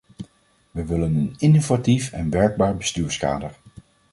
We willen een innovatief en werkbaar bestuurskader.